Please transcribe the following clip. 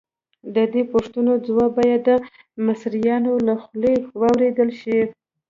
د دې پوښتنو ځواب باید د مصریانو له خولې واورېدل شي.